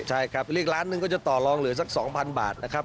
ใช่ครับเรียกล้านหนึ่งก็จะต่อลองเหลือสัก๒๐๐บาทนะครับ